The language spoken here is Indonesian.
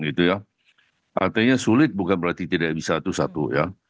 artinya sulit bukan berarti tidak bisa itu satu satu ya